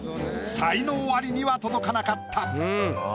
才能アリには届かなかった。